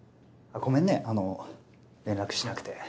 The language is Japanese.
ごめんねあの連絡しなくて。